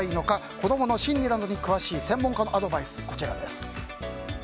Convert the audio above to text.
子供の心理などに詳しい専門家のアドバイスです。